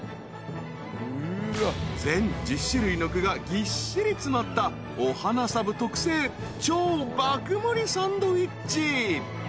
［全１０種類の具がぎっしり詰まったオハナサブ特製超爆盛りサンドイッチ］